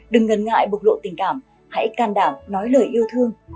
đừng ngần ngại bộc lộ tình cảm hãy can đảm nói lời yêu thương